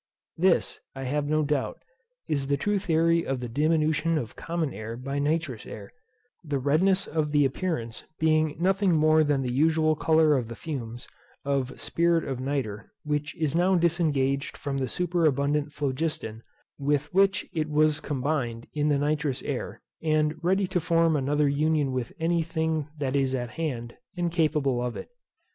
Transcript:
This, I have no doubt, is the true theory of the diminution of common air by nitrous air, the redness of the appearance being nothing more than the usual colour of the fumes, of spirit of nitre, which is now disengaged from the superabundant phlogiston with which it was combined in the nitrous air, and ready to form another union with any thing that is at hand, and capable of it.